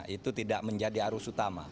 itu tidak menjadi arus utama